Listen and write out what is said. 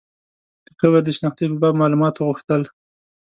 د قبر د شنختې په باب معلومات وغوښتل.